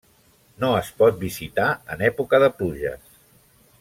No es pot visitar en època de pluges.